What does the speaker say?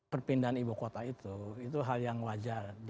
perpindahan ibu kota itu itu hal yang wajar